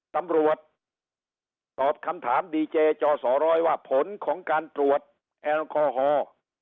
ตำรวจตอบคำถามดีเจจอสอร้อยว่าผลของการตรวจแอลกอฮอล์